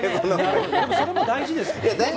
でも、それも大事ですよね。